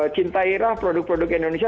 cintairah produk produk indonesia